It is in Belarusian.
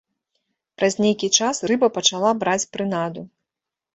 Праз нейкі час рыба пачала браць прынаду.